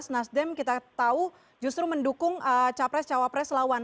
nasdem kita tahu justru mendukung capres cawapres lawan